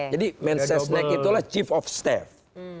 jadi men sesnek itulah chief of staff